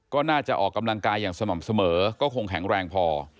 ก็น่าจะออกกำลังกายอย่างสม่ำเสมอก็คงแข็งแรงพอ